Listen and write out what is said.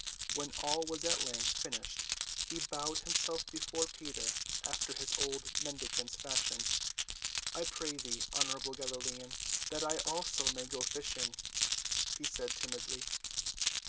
When all was at length finished he bowed himself before Peter after his old mendicant's fashion. "I pray thee, honorable Galilean, that I also may go fishing," he said timidly.